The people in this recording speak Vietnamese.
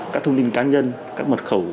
các thông tin cá nhân các mật khẩu